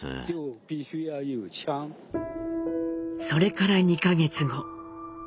それから２か月後。